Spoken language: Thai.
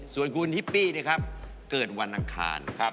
ส่วนคุณฮิปปี้นะครับเกิดวันอังคารนะครับ